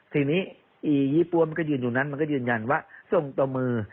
ทีนี้อียิปุ่มก็อยู่อยู่นั่นมันก็ยืนยันว่าทรงตมือ